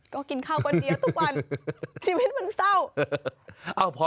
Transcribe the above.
ก็กินข้าวคนเดียวทุกวันชีวิตมันเศร้า